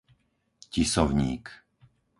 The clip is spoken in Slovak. Tisovník